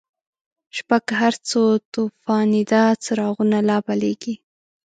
شپه که هرڅه توفانیده، څراغونه لابلیږی